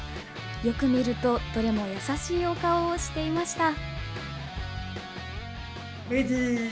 よく見るとどれも優しいお顔をしていました。